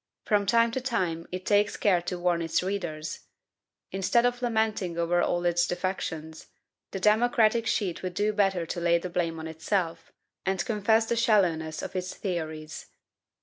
From time to time it takes care to warn its readers. Instead of lamenting over all its defections, the democratic sheet would do better to lay the blame on itself, and confess the shallowness of its theories.